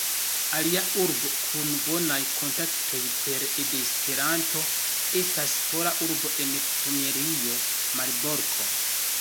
Alia urbo kun bonaj kontaktoj pere de Esperanto estas pola urbo en Pomerio Malborko.